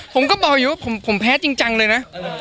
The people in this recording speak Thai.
ผมก็บอกอยู่ว่าผมแพ้จริงจังเลยนะ